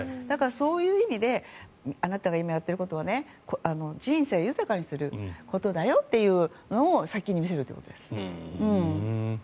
そういう意味であなたが今やっていることは人生を豊かにすることだよってのを先に見せるということです。